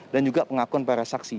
dan juga pengakuan para saksi